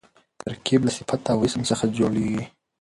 ترکیب له صفت او اسم څخه جوړېږي.